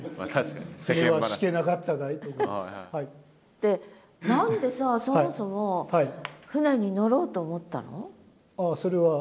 で何でさそもそも船に乗ろうと思ったの？